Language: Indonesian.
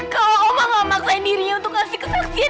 kalau oma tidak memaksa dirinya untuk memberikan pertolongan